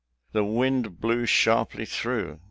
The wind blew sharply through.